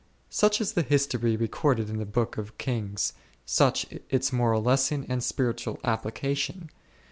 Such is the history recorded in the Book of Kings, such its moral lesson and spiritual application.